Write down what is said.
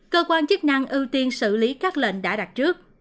cơ quan chức năng ưu tiên xử lý các lệnh đã đặt trước